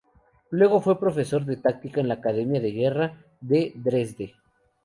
Luego fue profesor de táctica en la academia de guerra de Dresde.